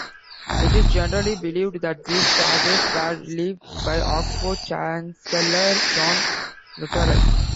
It is generally believed that these charges were levied by Oxford chancellor John Lutterell.